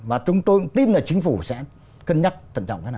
và chúng tôi tin là chính phủ sẽ cân nhắc thận trọng thế nào